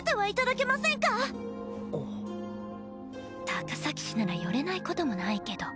高崎市なら寄れないこともないけど。